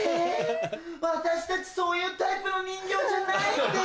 私たちそういうタイプの人形じゃないって。